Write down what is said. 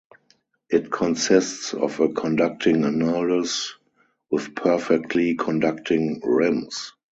It consists of a conducting annulus with perfectly conducting rims.